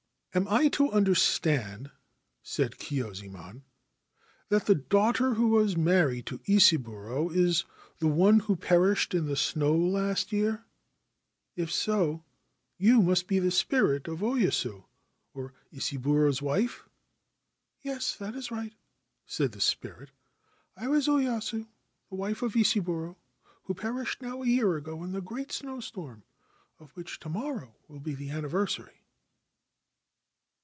' Am I to understand,' said Kyuzaemon, ' that the daughter who was married to Isaburo was the one who perished in the snow last year ? If so, you must be the spirit of Oyasu or Isaburo's wife ?' 4 Yes : that is right,' said the spirit. c I was Oyasu, the wife of Isaburo, who perished now a year ago in the great snowstorm, of which to morrow will be the anniversary.'